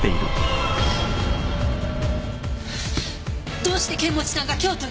どうして剣持さんが京都に？